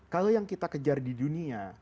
kalau yang kita kejar di dunia